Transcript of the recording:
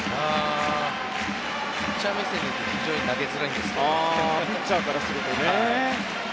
ピッチャー目線だと非常に投げづらいですね。